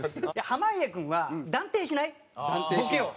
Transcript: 濱家君は断定しないボケを。